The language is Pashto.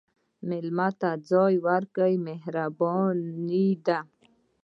مېلمه ته ځای ورکول مهرباني ده.